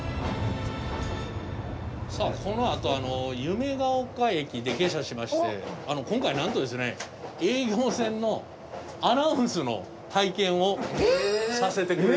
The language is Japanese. さあこのあとゆめが丘駅で下車しまして今回なんとですね営業線のアナウンスの体験をさせてくれるらしいんですよ。